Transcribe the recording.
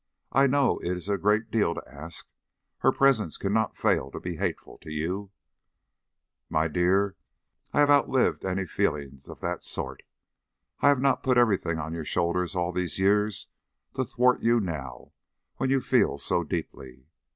I know it is a great deal to ask her presence cannot fail to be hateful to you " "My dear, I have outlived any feeling of that sort, and I have not put everything on your shoulders all these years to thwart you now, when you feel so deeply.